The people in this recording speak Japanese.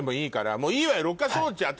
もういいわよ！